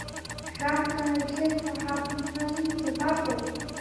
Шәаб дааигеит ҳәа ҳабымҳәази, дабаҟоу?